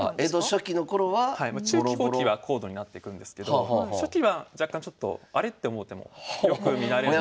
中期後期は高度になっていくんですけど初期は若干ちょっとあれ？って思う手もよく見られるんで。